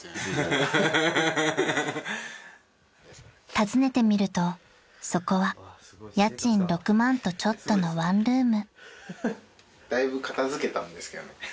［訪ねてみるとそこは家賃６万とちょっとのワンルーム］